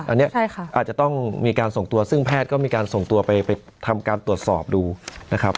อันนี้อาจจะต้องมีการส่งตัวซึ่งแพทย์ก็มีการส่งตัวไปทำการตรวจสอบดูนะครับ